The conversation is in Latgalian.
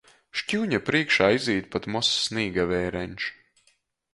Škiuņa prīškā izīt pat mozs snīgaveireņš.